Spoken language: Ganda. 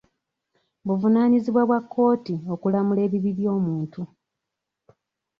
Buvunaanyizibwa bwa kkooti okulamula ebibi by'omuntu.